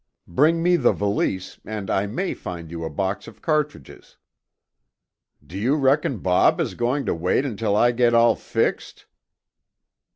Bring me the valise and I may find you a box of cartridges." "Do you reckon Bob is going to wait until I get all fixed?"